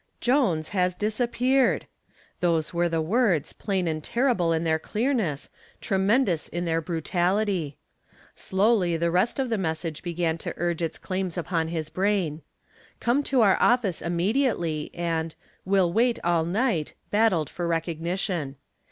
"JONES HAS DISAPPEARED!" Those were the words, plain and terrible in their clearness, tremendous in their brutality. Slowly the rest of the message began to urge its claims upon his brain. "Come to our office immediately" and "Will wait all night" battled for recognition.